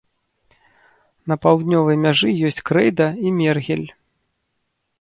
На паўднёвай мяжы ёсць крэйда і мергель.